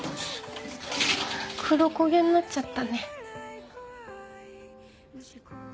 黒焦げになっちゃったね。